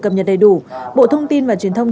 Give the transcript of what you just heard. nó phải do các địa phương